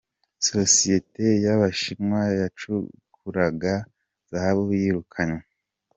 Sosiyete y’Abashinwa yacukuraga zahabu yirukanywe